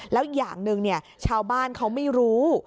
แล้วอย่างหนึ่งชาวบ้านเขาไม่รู้